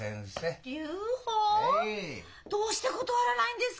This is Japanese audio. どうして断らないんですか！？